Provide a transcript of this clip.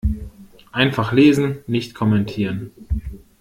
Einfach lesen, nicht kommentieren.